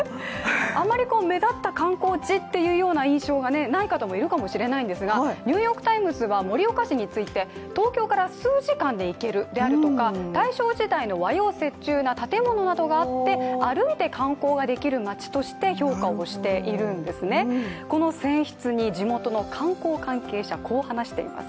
あまり目立った観光地というような印象がない方もいるかもしれませんが、「ニューヨーク・タイムズ」は盛岡市について東京から数時間で行けるであるとか大正時代の和洋折衷な建物などがあって歩いて観光ができる町として評価をしているんですね、この選出に地元の観光関係者はこう話しています。